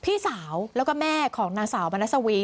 พี่สาวแล้วก็แม่ของนางสาวมนัสวี